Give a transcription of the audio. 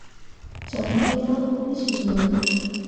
Jam mu yah ko kecil mana.